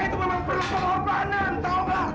itu memang perlu pengorbanan tahu nggak